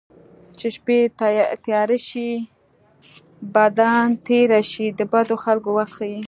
چې شپه تیاره شي بدان تېره شي د بدو خلکو وخت ښيي